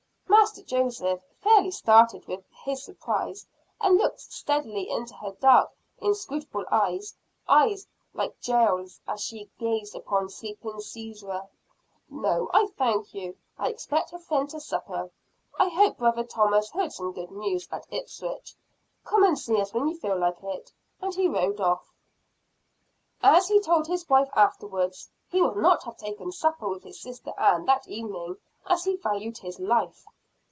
Master Joseph fairly started with his surprise, and looked steadily into her dark, inscrutable eyes eyes like Jael's as she gazed upon sleeping Sisera. "No, I thank you I expect a friend to supper. I hope brother Thomas heard some good news at Ipswich. Come and see us when you feel like it." And he rode off. As he told his wife afterwards, he would not have taken supper with his sister Ann that evening as he valued his life.